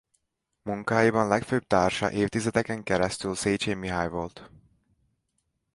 Munkáiban legfőbb társa évtizedeken keresztül Szécsén Mihály volt.